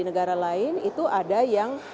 negara lain itu ada yang